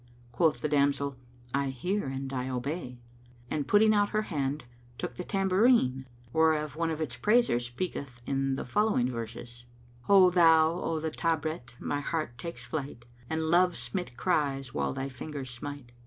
Quoth the damsel, "I hear and I obey"; and, putting out her hand, took the tambourine, whereof one of its praisers speaketh in the following verses, "Ho thou o' the tabret, my heart takes flight * And love smit cries while thy fingers smite!